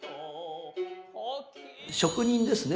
職人ですね